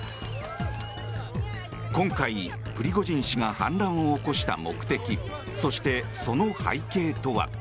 今回、プリゴジン氏が反乱を起こした目的そして、その背景とは？